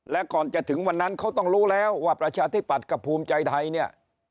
และก่อนจะถึงวันนั้นเขาต้องรู้แล้วว่าประชาธิปัตย์กับภูมิใจไทยเนี่ย